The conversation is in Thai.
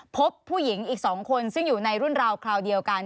พบผู้หญิงอีก๒คนซึ่งอยู่ในรุ่นราวคราวเดียวกัน